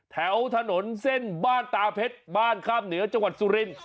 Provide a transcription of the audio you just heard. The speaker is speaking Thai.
แถวถนนเส้นบ้านตาเพชรบ้านข้ามเหนือจังหวัดสุริน